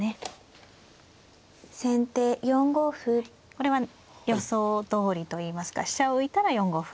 これは予想どおりといいますか飛車を浮いたら４五歩。